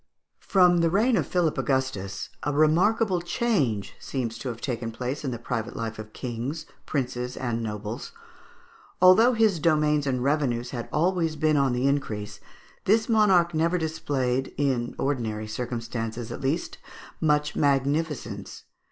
From the reign of Philip Augustus, a remarkable change seems to have taken place in the private life of kings, princes, and nobles. Although his domains and revenues had always been on the increase, this monarch never displayed, in ordinary circumstances at least, much magnificence.